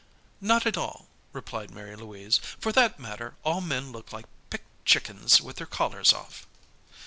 "Not at all," replied Mary Louise. "For that matter, all men look like picked chickens with their collars off."